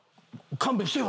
勘弁してよ！